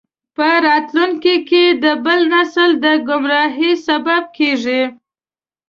په راتلونکي کې د بل نسل د ګمراهۍ سبب کیږي.